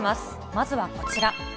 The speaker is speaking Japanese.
まずはこちら。